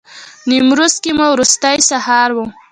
نیمروز کې مو وروستی سهار و.